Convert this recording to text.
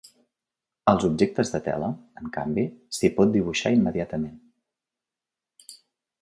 Als objectes de tela, en canvi, s'hi pot dibuixar immediatament.